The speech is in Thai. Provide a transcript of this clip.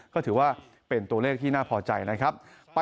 ก็ถือว่าเป็นตัวเลขที่น่าพอใจนะครับ